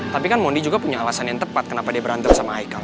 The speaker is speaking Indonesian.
tapi kan mondi juga punya alasan yang tepat kenapa dia berantem sama ichael